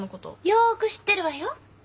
よく知ってるわよ。